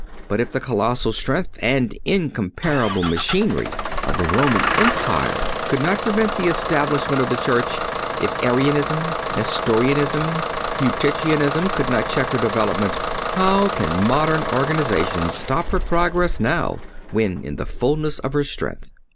But if the colossal strength, and incomparable machinery of the Roman Empire could not prevent the establishment of the Church; if Arianism, Nestorianism, Eutychianism could not check her development, how can modern organizations stop her progress now, when in the fulness of her strength?